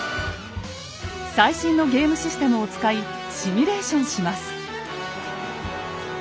最新のゲームシステムを使いシミュレーションします。